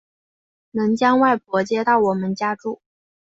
能将外婆接到我们家住